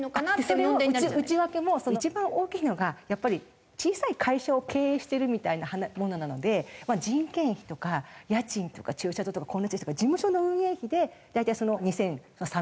内訳も一番大きいのがやっぱり小さい会社を経営してるみたいなものなので人件費とか家賃とか駐車場とか光熱費とか事務所の運営費で大体２３００万円ぐらいかかりますと。